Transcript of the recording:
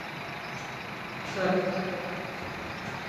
Ҡырҡ